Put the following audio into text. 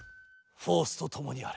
フォースとともにあれ。